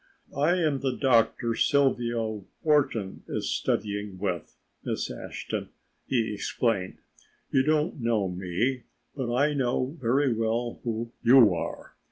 "I am the doctor Sylvia Wharton is studying with, Miss Ashton," he explained. "You don't know me but I know very well who you are.